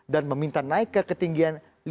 dan meminta naik ke ketinggian